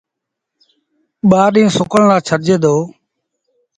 ٻآ ڏيٚݩهݩ سُڪڻ لآ ڇڏجي دو۔